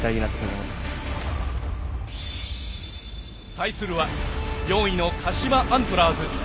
対するは４位の鹿島アントラーズ。